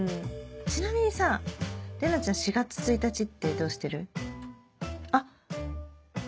ちなみにさ玲奈ちゃん４月１日ってどうしてる？あっ。